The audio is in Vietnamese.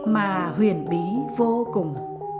mà huyền bí vô cùng